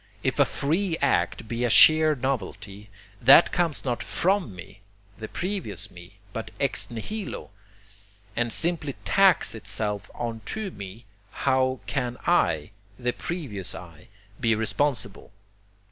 If a 'free' act be a sheer novelty, that comes not FROM me, the previous me, but ex nihilo, and simply tacks itself on to me, how can I, the previous I, be responsible?